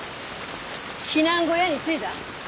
避難小屋に着いだ？